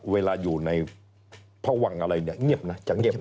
เวลาอยู่ในพระวังอะไรเนี่ยเงียบนะ